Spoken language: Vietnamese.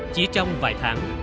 chỉ trong vài tháng